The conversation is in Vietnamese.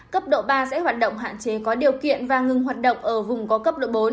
cấp độ ba sẽ hoạt động hạn chế có điều kiện và ngừng hoạt động ở vùng có cấp độ bốn